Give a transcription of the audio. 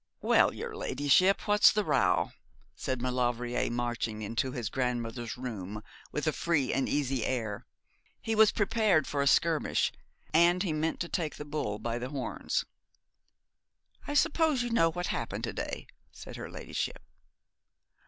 'Well, your ladyship, what's the row?' said Maulevrier marching into his grandmother's room with a free and easy air. He was prepared for a skirmish, and he meant to take the bull by the horns. 'I suppose you know what has happened to day?' said her ladyship.